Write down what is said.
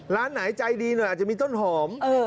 ร้านไหนใจดีหน่อยอาจจะมีต้นหอม